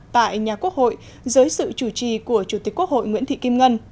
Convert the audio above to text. tại nhà quốc hội dưới sự chủ trì của chủ tịch quốc hội nguyễn thị kim ngân